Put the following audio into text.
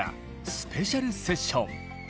スペシャルセッション！